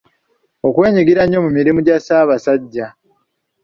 Okwenyigira ennyo mu mirimu gya Ssabasajja.